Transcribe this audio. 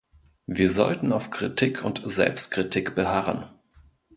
Wir sollten auf Kritik und Selbstkritik beharren.